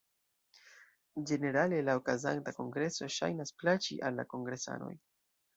Ĝenerale la okazanta kongreso ŝajnas plaĉi al la kongresanoj.